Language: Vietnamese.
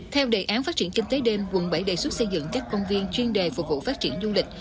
theo đề án phát triển kinh tế đêm quận bảy đề xuất xây dựng các công viên chuyên đề phục vụ phát triển du lịch